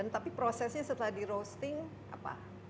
tapi prosesnya setelah di roasting apa